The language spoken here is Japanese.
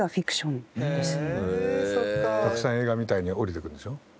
たくさん映画みたいに降りてくるんでしょ？